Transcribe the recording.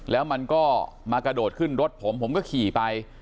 แล้วมันก็มากระโดดขึ้นรถผมผมก็ขี่ไป